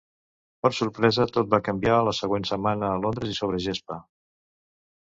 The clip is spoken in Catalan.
Per sorpresa, tot va canviar la següent setmana a Londres i sobre gespa.